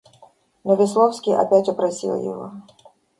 Но Весловский опять упросил его.